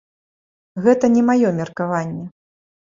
Гэта не маё меркаванне.